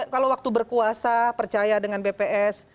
kalau waktu berkuasa percaya dengan bps